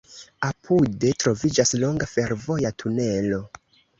Apude troviĝas longa fervoja tunelo.